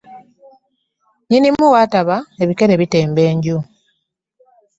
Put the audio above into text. Nnyinimu w'ataba ebikere bitemba enju.